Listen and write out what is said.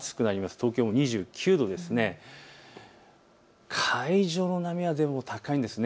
東京も２９度、海上の波は高いんですね。